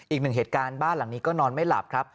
อีกหนึ่งเหตุการณ์บ้านหลังนี้ก็นอนไม่หลับครับ